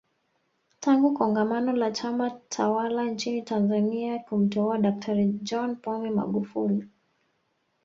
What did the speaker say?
Tangu kongamano la Chama tawala nchini Tanzania kumteua Daktari John Pombe Magufuli